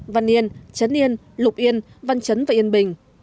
văn yên trấn yên lục yên văn chấn và yên bình